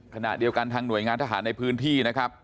ขณะเดียวกันทางหน่วยงานทหารในพื้นที่นะครับ